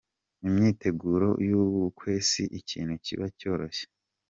Imyiteguro y’ubukwe si ikintu kiba cyoroshye.